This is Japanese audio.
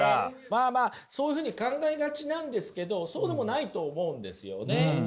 まあまあそういうふうに考えがちなんですけどそうでもないと思うんですよね。